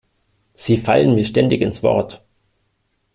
Sie fallen mir ständig ins Wort.